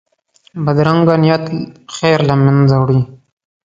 بدرنګه نیت خیر له منځه وړي